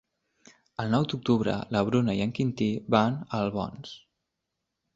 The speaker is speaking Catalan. El nou d'octubre na Bruna i en Quintí van a Albons.